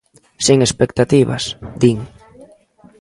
Sen expectativas, din.